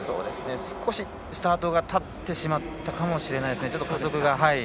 少しスタート立ってしまったかもしれません。